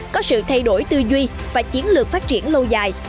có sự thay đổi tư duy và chiến lược phát triển lâu dài